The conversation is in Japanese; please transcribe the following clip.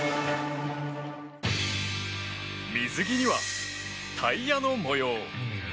水着にはタイヤの模様。